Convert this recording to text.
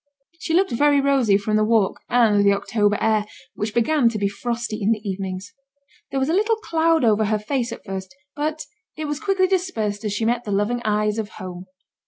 She looked very rosy from the walk, and the October air, which began to be frosty in the evenings; there was a little cloud over her face at first, but it was quickly dispersed as she met the loving eyes of home.